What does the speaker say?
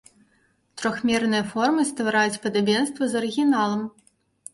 Трохмерныя формы ствараюць падабенства з арыгіналам.